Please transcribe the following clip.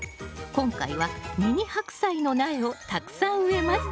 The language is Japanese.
今回はミニハクサイの苗をたくさん植えます